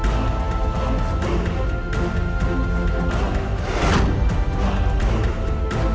suara siapa itu